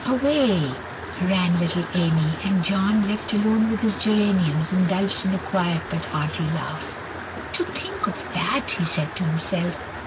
Away ran little Amy, and John, left alone with his geraniums, indulged in a quiet but hearty laugh. "To think of that!" he said to himself.